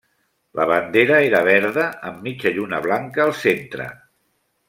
La bandera era verda amb mitja lluna blanca al centre.